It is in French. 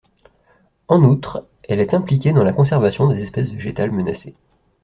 En outre, elle est impliquée dans la conservation des espèces végétales menacées.